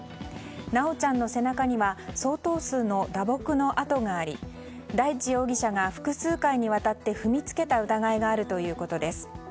修ちゃんの背中には、相当数の打撲の痕があり大地容疑者が複数回にわたって踏みつけた疑いがあるということです。